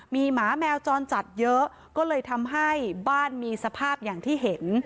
มีหมาแมวจรจัดเยอะก็เลยทำให้บ้านมีสภาพอย่างที่เห็น